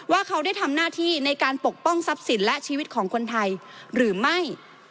ว่าเขาได้ทำหน้าที่ในการปกป้องทรัพย์สินและชีวิตของคนไทยหรือไม่